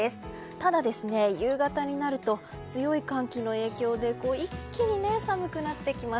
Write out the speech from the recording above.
ただ、夕方になると強い寒気の影響で一気に寒くなってきます。